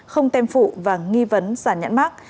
không tem phụ và nghi vấn giản nhãn bán